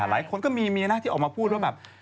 หลายคนก็มีเมียนะที่ออกมาพูดว่าแบบ